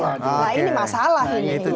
nah ini masalah